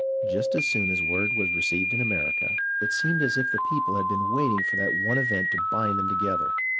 Just as soon as word was received in America, it seemed as if the people had been waiting for that one event to bind them together.